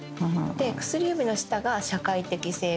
薬指の下が社会的成功。